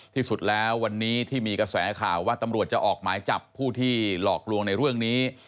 ที่สุดแล้ววันนี้ที่มีกระแสข่าวว่าตำรวจจะออกหมายจับผู้ที่หลอกลวงในเรื่องนี้